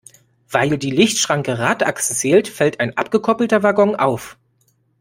Weil die Lichtschranke Radachsen zählt, fällt ein abgekoppelter Waggon auf.